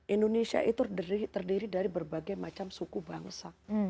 indonesia itu terdiri dari berbagai macam suku bangsa